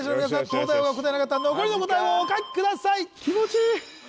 東大王が答えなかった残りの答えをお書きください